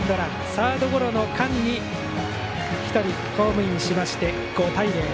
サードゴロの間に１人、ホームインして５対０。